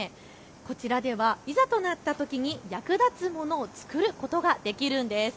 こちらではいざとなったときに役立つものを作ることができるんです。